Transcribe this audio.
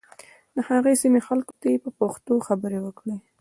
د هغې سیمې خلکو ته یې په پښتو خبرې وکړې.